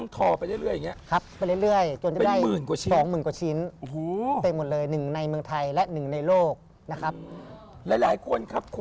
ก็คืออย่างนี้แหละ